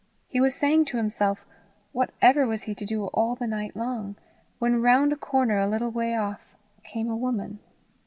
He was saying to himself what ever was he to do all the night long, when round a corner a little way off came a woman.